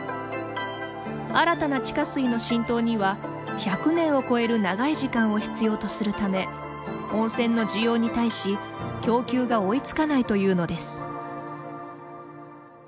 新たな地下水の浸透には１００年を超える長い時間を必要とするため温泉の需要に対し供給が追いつかないというのです。